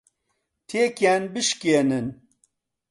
تێکیان بشکێنن.